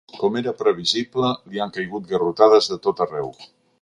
Com era previsible, li han caigut garrotades de tot arreu.